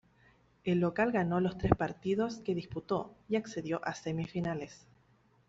El local ganó los tres partidos que disputó y accedió a semifinales.